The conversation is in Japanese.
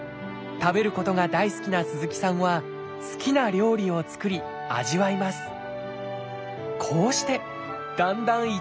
食べることが大好きな鈴木さんは好きな料理を作り味わいます。